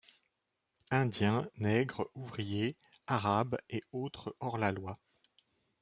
Indiens, nègres, ouvriers, Arabes et autres hors-la-loi.